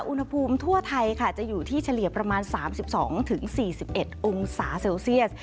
อุณหภูมิทั่วไทยค่ะจะอยู่ที่เฉลี่ยประมาณ๓๒๔๑องศาเซลเซียส